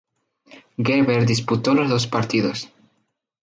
Gerber disputó los dos partidos.